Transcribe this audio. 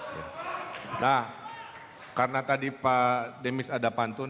nah karena tadi pak demis ada pantun